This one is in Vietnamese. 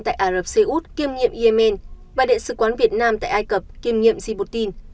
tại ả rập xê út kiêm nghiệm yemen và đại sứ quán việt nam tại ai cập kiêm nghiệm djiboutin